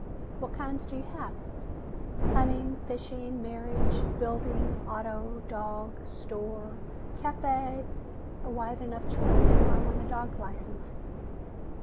"What kinds do you have?" "Hunting, fishing, marriage, building, auto, dog, store, café " "A wide enough choice. I want a dog license."